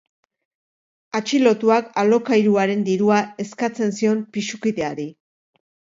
Atxilotuak alokairuaren dirua eskatzen zion pisu-kideari.